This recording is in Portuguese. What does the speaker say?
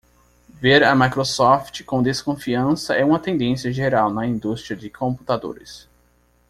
Ver a Microsoft com desconfiança é uma tendência geral na indústria de computadores.